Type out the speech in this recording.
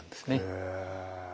へえ。